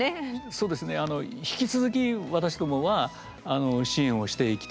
そうですねあの引き続き私どもはあの支援をしていきたいと思ってます。